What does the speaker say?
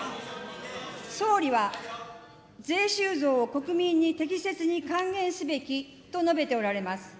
総理は、税収増を国民に適切に還元すべきと述べておられます。